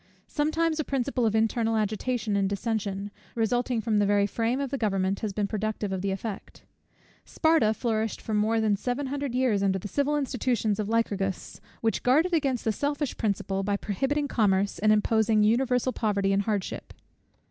Sometimes a principle of internal agitation and dissension, resulting from the very frame of the government, has been productive of the effect. Sparta flourished for more than seven hundred years under the civil institutions of Lycurgus; which guarded against the selfish principle, by prohibiting commerce, and imposing universal poverty and hardship.